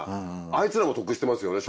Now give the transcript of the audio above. あいつらも得してますよね